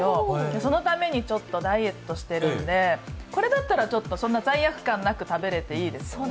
そのためにダイエットしているんでこれだったらそんな罪悪感なく食べれていいですよね。